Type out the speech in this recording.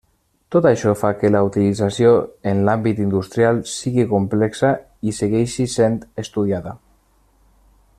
Tot això fa que la utilització en l'àmbit industrial sigui complexa i segueixi sent estudiada.